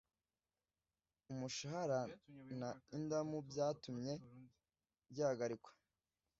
umushahara na indamu byatumye gihagarikwa